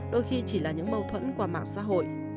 đôi khi chỉ là những mâu thuẫn qua mạng xã hội